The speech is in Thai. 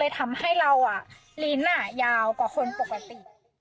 ทำให้เราลิ้นยาวกว่าคนปกติ